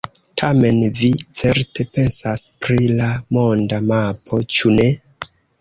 Tamen vi certe pensas pri la monda mapo, ĉu ne?